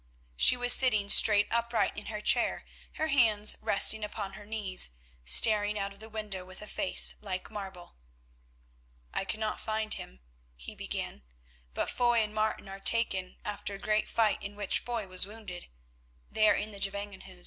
She was sitting straight upright in her chair, her hands resting upon her knees, staring out of the window with a face like marble. "I cannot find him," he began, "but Foy and Martin are taken after a great fight in which Foy was wounded. They are in the Gevangenhuis."